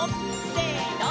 せの！